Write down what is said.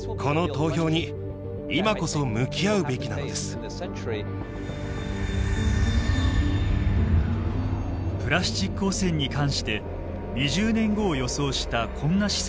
プラスチック汚染に関して２０年後を予想したこんな試算があります。